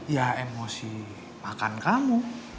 ya emosi makan kamu